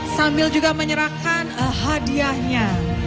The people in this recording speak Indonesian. sambil juga menyerahkan hadiahnya